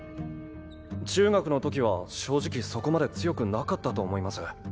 中学の時は正直そこまで強くなかったと思います。